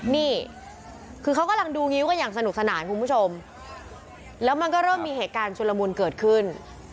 นี่คือเขากำลังดูงิ้วกันอย่างสนุกสนานคุณผู้ชมแล้วมันก็เริ่มมีเหตุการณ์ชุลมุนเกิดขึ้น